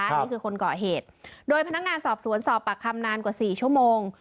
นี่คือคนก่อเหตุโดยพนักงานสอบสวนสอบปากคำนานกว่าสี่ชั่วโมง